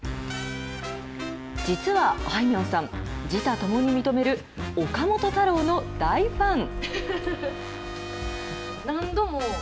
実はあいみょんさん、自他ともに認める岡本太郎の大ファン。